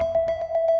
yang pernah mikir